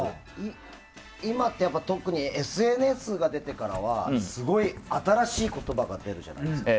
今って特にＳＮＳが出てからはすごい新しい言葉が出るじゃないですか。